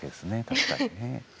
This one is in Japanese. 確かにね。